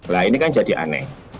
nah ini kan jadi aneh